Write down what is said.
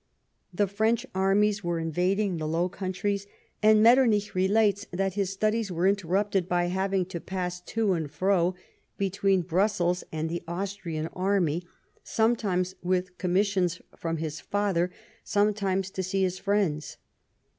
The French armies were invading the Low Countries, and IMetternich relates that his studies were interrupted by having to pass to and fro between Brussels and the Austrian army, sometimes with com missions from his father, sometimes to see his friends.